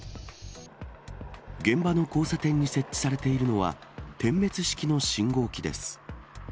現場の交差点に設置されているのは、点滅式の信号機です。